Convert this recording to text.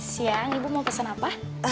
siang ibu mau pesan apa